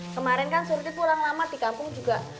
kemarin kan sulit pulang lama di kampung juga